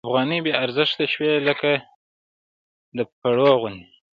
افغانۍ بې ارزښته شوې لکه د پړو غوندې.